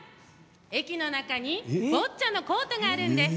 駅の中にボッチャのコートがあるんです。